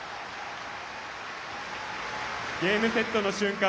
ゲームセットの瞬間